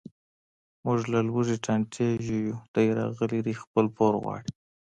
موږ له لوږې ټانټې ژویو، دی راغلی دی خپل پور غواړي.